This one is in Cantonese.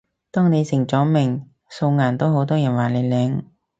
當你成咗名，素顏都好多人話你靚